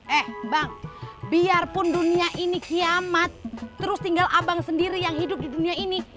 eh bang biarpun dunia ini kiamat terus tinggal abang sendiri yang hidup di dunia ini